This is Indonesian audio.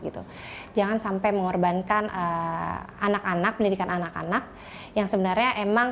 gitu jangan sampai mengorbankan anak anak pendidikan anak anak yang sebenarnya emang